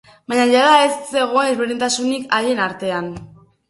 Baina jada ez zegoen desberdintasunik haien artean.